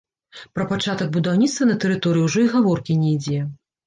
Пра пачатак будаўніцтва на тэрыторыі ўжо і гаворкі не ідзе.